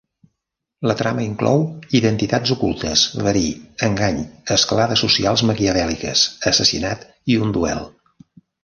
La trama inclou identitats ocultes, verí, engany, escalades socials maquiavèl·liques, assassinat i un duel.